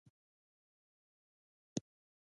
افغانستان د اتلانو هیواد دی